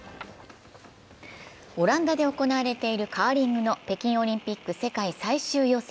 オランダで行われているカーリングの北京オリンピック世界最終予選。